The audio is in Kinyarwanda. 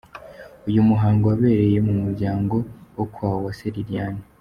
Uyu muhango wabereye mu muryango wo kwa Uwase Liliane.